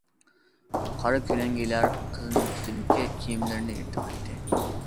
قارا كۆلەڭگىلەر قىزنىڭ ئۈستىدىكى كىيىملىرىنى يىرتىۋەتتى.